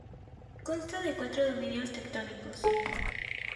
Consta de cuatro dominios tectónicos.